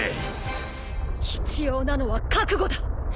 必要なのは覚悟だ！